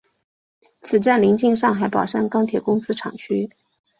此站邻近上海宝山钢铁公司厂区。